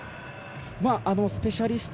スペシャリスト